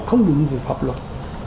không đúng với pháp luật